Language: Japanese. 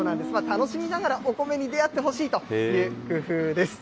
楽しみながらお米に出会ってほしいという工夫です。